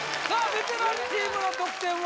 ベテランチームの得点は？